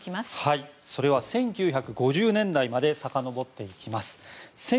それは１９５０年代までさかのぼっていきます。